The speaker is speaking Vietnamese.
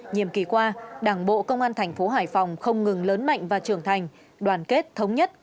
nhiệm kỳ qua đảng bộ công an thành phố hải phòng không ngừng lớn mạnh và trưởng thành đoàn kết thống nhất